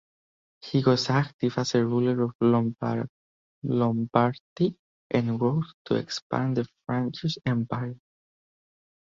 He was active as ruler of Lombardy and worked to expand the Frankish empire.